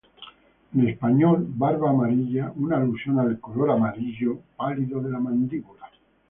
En español: "barba amarilla", una alusión al color amarillo pálido de la mandíbula.